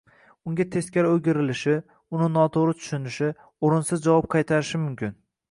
unga teskari o‘girilishi, uni noto‘g‘ri tushunishi, o‘rinsiz javob qaytarishi mumkin.